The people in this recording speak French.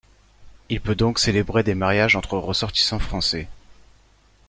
Il peut donc célébrer des mariages entre ressortissants français.